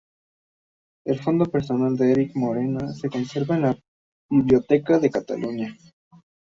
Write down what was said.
El fondo personal de Enric Morera se conserva en la Biblioteca de Cataluña.